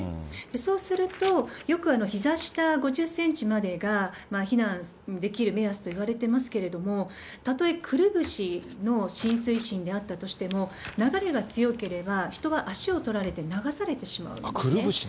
そうすると、よくひざ下５０センチまでが避難できる目安といわれていますけれども、たとえ、くるぶしのしんすいしんであったとしても、流れが強ければ、人は足を取られて流されてしまうんですね。